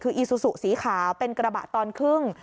คืออีซูซูสีขาวเป็นกระบะตอนครึ่ง